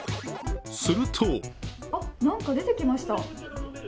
するとあっ、何か出てきました。